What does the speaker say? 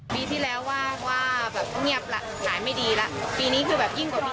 ปีที่แล้วว่าแบบเงียบละหงายไม่ดีแล้วปีนี้คือแบบยิ่งกว่าปี